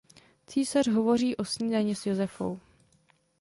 Císař hovoří u snídaně s Josefou.